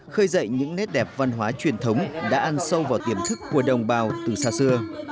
khơi dậy những nét đẹp văn hóa truyền thống đã ăn sâu vào tiềm thức của đồng bào từ xa xưa